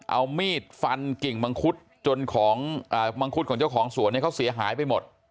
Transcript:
เอามีดฟันกิ่งมังคุดจนของมังคุดของเจ้าของสวนเนี่ยเขาเสียหายไปหมด